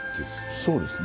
そうですね。